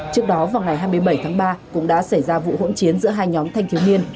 trước đó vào ngày hai mươi bảy tháng ba cũng đã xảy ra vụ hỗn chiến giữa hai nhóm thanh thiếu niên